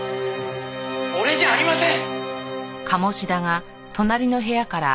「俺じゃありません！」